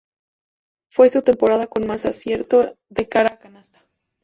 Fue su temporada con más acierto de cara a canasta.